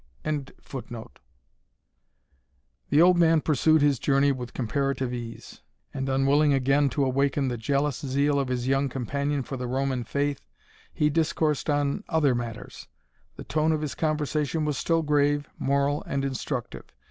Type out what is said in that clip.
] The old man pursued his journey with comparative ease; and, unwilling again to awaken the jealous zeal of his young companion for the Roman faith, he discoursed on other matters. The tone of his conversation was still grave, moral, and instructive.